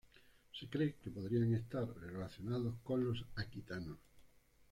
Se cree que podrían estar relacionados con los aquitanos.